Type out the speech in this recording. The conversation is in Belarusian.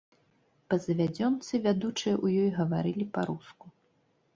Па завядзёнцы, вядучыя ў ёй гаварылі па-руску.